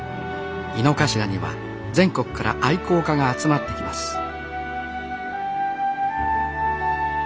猪之頭には全国から愛好家が集まってきます